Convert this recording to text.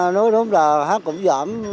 nói đúng là hát cũng giảm